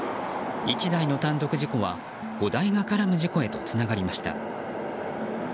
１台の単独事故は、５台が絡む事故へとつながりました。